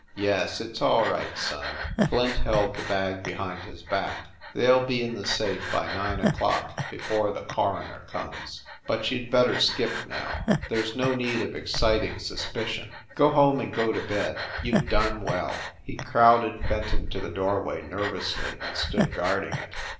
"Yes, it s all right, son." Flint held the bag be hind his back. "They ll be in the safe by nine o clock, before the coroner comes. But you d bet ter skip, now. There s no need of exciting sus picion. Go home and go to bed. You ve done well." He crowded Fenton to the doorway nerv ously and stood guarding it.